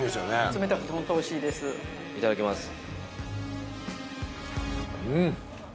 冷たくてホントおいしいですいただきますうん！